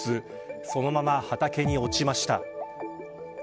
そのまま畑に落ちました。